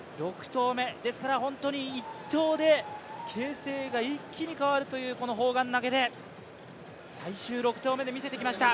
６投目、ですから１投で形勢が一気に変わるというこの砲丸投で最終６投目で見せてきました、